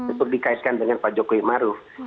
untuk dikaitkan dengan pak jokowi maruf